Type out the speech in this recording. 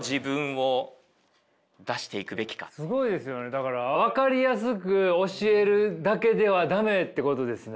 だから分かりやすく教えるだけでは駄目ってことですね。